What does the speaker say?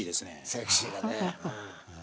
セクシーだね。